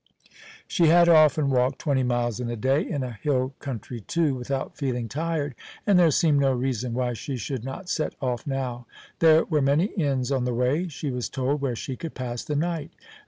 She had often walked twenty miles in a day, in a hill country too, without feeling tired, and there seemed no reason why she should not set off now. There were many inns on the way, she was told, where she could pass the night.